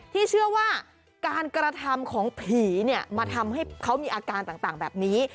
ที่เชื่อว่าการกระทำของผีเนี่ยมาทำให้เขามีอาการต่างแบบนี้